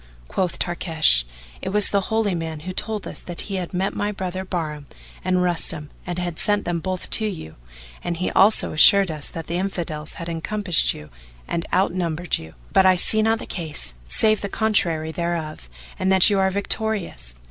Quoth Tarkash; "It was the Holy Man who told us that he had met my brother Bahram and Rustam and had sent them both to you and he also assured us that the Infidels had encompassed you and out numbered you; but I see not the case save the contrary thereof and that you are victorious."